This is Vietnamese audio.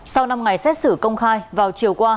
sau năm ngày xét xử công khai vào chiều qua